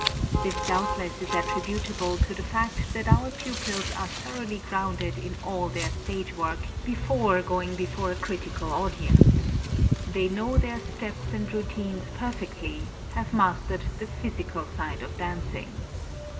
This doubtless is attributable to the fact that our pupils are thoroughly grounded in all their stage work before going before a critical audience. They know their steps and routines perfectly, have mastered the physical side of dancing.